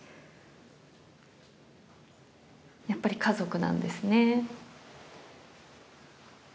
やっぱり家族なんですね。